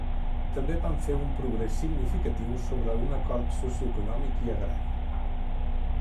També van fer un progrés significatiu sobre un acord socioeconòmic i agrari.